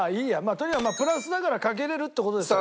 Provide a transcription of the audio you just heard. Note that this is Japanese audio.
とにかくプラスだからかけれるって事ですよね。